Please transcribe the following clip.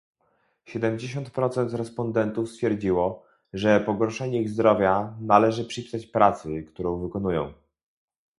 Siedemdziesiąt procent respondentów stwierdziło, że pogorszenie ich zdrowia należy przypisać pracy, którą wykonują